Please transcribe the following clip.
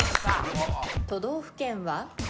都道府県は？